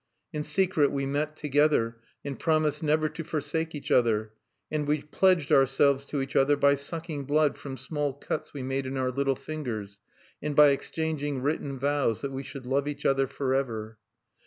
"In secret we met together, and promised never to forsake each other; and we pledged ourselves to each other by sucking blood from small cuts we made in our little fingers, and by exchanging written vows that we should love each other forever.